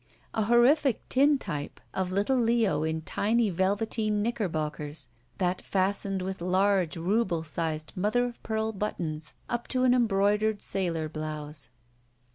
A horrific tint3rpe of little Leo in tiny velveteen knicker bockers that fastened with large, ruble sized, mother of pearl buttons up to an embroidered sailor blouse.